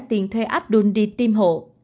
họ đã tiền thuê abdul đi tiêm hộ